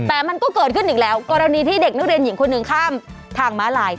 แต่มันก็เกิดขึ้นอีกแล้วกรณีที่เด็กนักเรียนหญิงคนหนึ่งข้ามทางม้าลาย